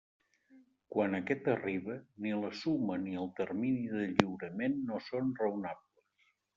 Quan aquest arriba, ni la suma ni el termini de lliurament no són raonables.